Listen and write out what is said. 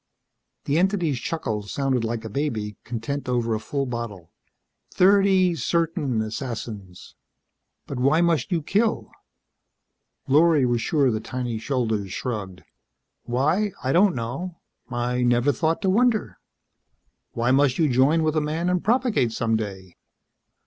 The entity's chuckle sounded like a baby, content over a full bottle. "Thirty certain assassins." "But why must you kill?" Lorry was sure the tiny shoulders shrugged. "Why? I don't know. I never thought to wonder. Why must you join with a man and propagate some day?